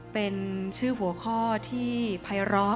เป็นชื่อหัวข้อที่ภัยร้อ